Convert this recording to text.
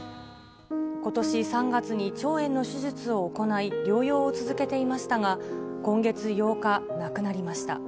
ことし３月に腸炎の手術を行い、療養を続けていましたが、今月８日、亡くなりました。